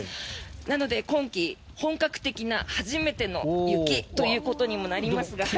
なので、今季、本格的な初めての雪ともなりますが。